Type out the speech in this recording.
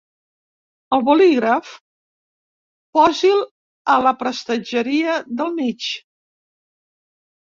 El bolígraf, posi'l a la prestatgeria del mig.